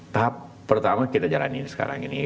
tahap pertama kita jalanin sekarang ini